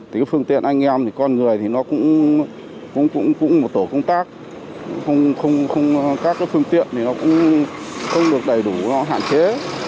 thì phương tiện anh em thì con người thì nó cũng một tổ công tác các phương tiện thì nó cũng không được đầy đủ nó hạn chế